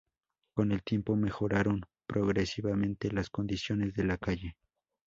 Con el tiempo mejoraron progresivamente las condiciones de la calle.